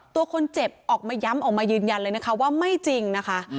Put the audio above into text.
ตัวคนเจ็บออกมาย้ำออกมายืนยันเลยนะคะว่าไม่จริงนะคะ